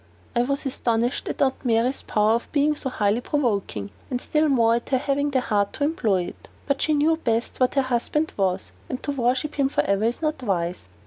I was astonished at Aunt Mary's power of being so highly provoking, and still more at her having the heart to employ it. But she knew best what her husband was; and to worship forever is not wise.